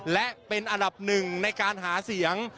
และเป็นอันดับหนึ่งในการหาเสียง